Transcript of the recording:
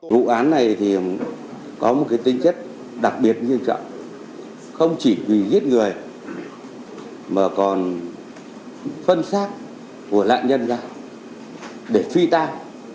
vụ án này có một tính chất đặc biệt không chỉ vì giết người mà còn phân xác của nạn nhân ra để phi tan